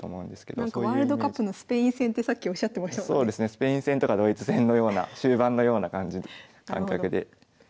スペイン戦とかドイツ戦のような終盤のような感じ感覚で指していただければ。